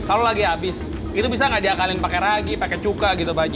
kalau lagi habis itu bisa nggak diakalin pakai ragi pakai cuka gitu